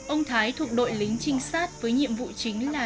ông thái thuộc đội lính trinh sát với nhiệm vụ chính là